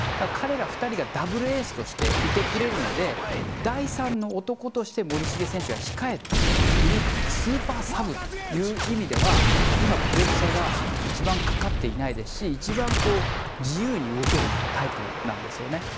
彼ら２人がダブルエースとしていてくれるので第３の男として森重選手が控えているスーパーサブという意味では今、プレッシャーが一番かかっていないですし一番、自由に動けるタイプなんですよね。